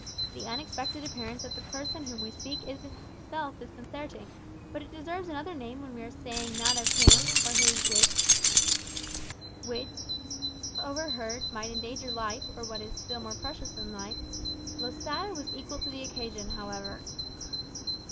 The unexpected appearance of the person of whom we speak is in itself disconcerting; but it deserves another name when we are saying that of him or his which, if overheard, might endanger life, or what is more precious still than life. Losada was equal to the occasion, however.